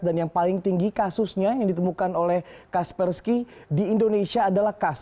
dan yang paling tinggi kasusnya yang ditemukan oleh kaspersky di indonesia adalah kas